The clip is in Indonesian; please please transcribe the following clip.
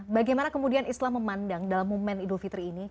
bagaimana kemudian islam memandang dalam momen idul fitri ini